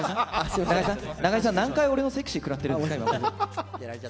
中居さん、何回俺のセクシー食らってるんですか。